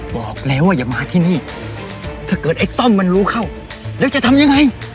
บอกแล้วว่าอย่ามาที่นี่ถ้าเกิดไอ้ต้อมมันรู้เข้าแล้วจะทำยังไง